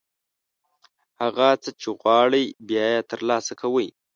هغه څه چې غواړئ، بیا یې ترلاسه کوئ.